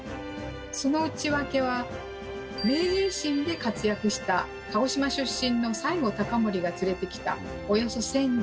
その内訳は明治維新で活躍した鹿児島出身の西郷隆盛が連れてきたおよそ１，０００人。